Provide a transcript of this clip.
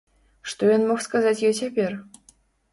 Што ён мог сказаць ёй цяпер?